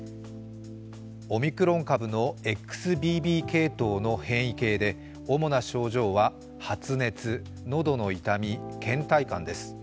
オミクロン株のＸＢＢ系統の変異型で主な症状は発熱、喉の痛み、けん怠感です。